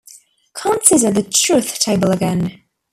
Consider the truth table again.